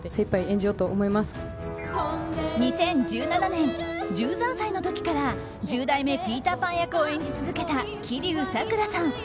２０１７年、１３歳の時から１０代目ピーターパン役を演じ続けた吉柳咲良さん。